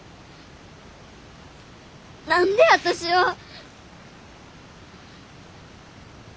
何で私は。